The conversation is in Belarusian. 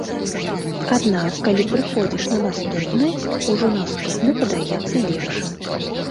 Аднак, калі прыходзіш на наступны, ужо наступны падаецца лепшым.